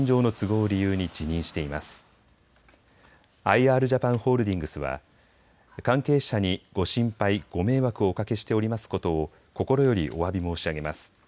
アイ・アールジャパンホールディングスは関係者にご心配、ご迷惑をおかけしておりますことを心よりおわび申し上げます。